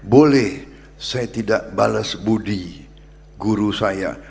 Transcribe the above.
boleh saya tidak bales budi guru saya